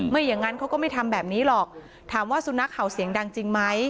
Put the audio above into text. อย่างนั้นเขาก็ไม่ทำแบบนี้หรอกถามว่าสุนัขเห่าเสียงดังจริงไหม